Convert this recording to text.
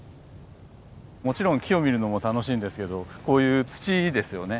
もちろん木を見るのも楽しいんですけどこういう土ですよね。